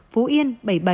phú yên bảy mươi bảy